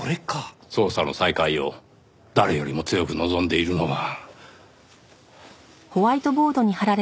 捜査の再開を誰よりも強く望んでいるのは。